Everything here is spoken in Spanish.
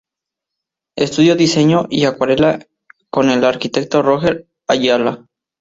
Estudió diseño y acuarela con el arquitecto Roger Ayala.